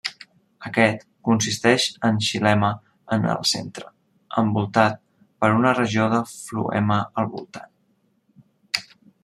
Aquest consisteix en xilema en el centre, envoltat per una regió de floema al voltant.